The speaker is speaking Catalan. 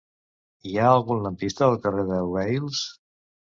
Hi ha algun lampista al carrer de Vehils?